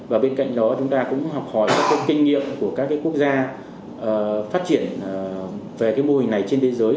và bên cạnh đó chúng ta cũng học hỏi các kinh nghiệm của các quốc gia phát triển về cái mô hình này trên thế giới